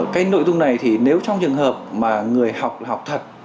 cái nội dung này thì nếu trong trường hợp mà người học là học thật